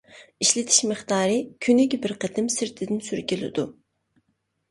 ئىشلىتىش مىقدارى: كۈنىگە بىر قېتىم سىرتىدىن سۈركىلىدۇ.